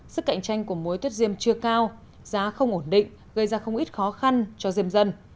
sức cạnh tranh của muối tuyết diêm chưa cao giá không ổn định gây ra không ít khó khăn cho diêm dân